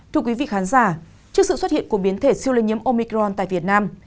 thưa quý vị khán giả trước sự xuất hiện của biến thể siêu lây nhiễm omicron tại việt nam